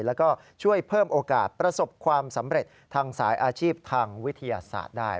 แล้วก็ช่วยเพิ่มโอกาสประสบความสำเร็จทางสายอาชีพทางวิทยาศาสตร์ได้